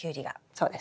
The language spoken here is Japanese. そうです。